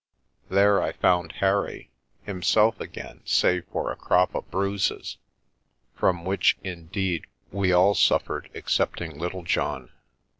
There I found Harry, himself again save for a crop of bruises, from which, indeed, we all suffered excepting Littlejohn.